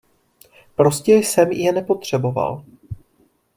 Prostě jsem je nepotřeboval.